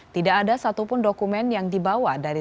tidak ada satupun dokumen yang dibawa dari